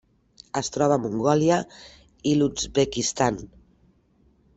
Es troba a Mongòlia i l'Uzbekistan.